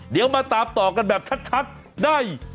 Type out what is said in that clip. เดี๋ยวมาตามต่อกันแบบชัดได้